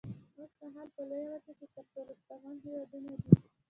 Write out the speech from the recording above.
اوسمهال په لویه وچه کې تر ټولو شتمن هېوادونه دي.